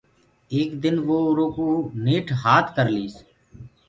ايڪ دن وو نيٺ اُرو ڪوُ هآت ڪرليس۔